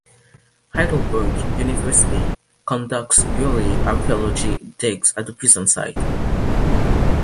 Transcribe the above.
Heidelberg University conducts yearly archeology digs at the prison site.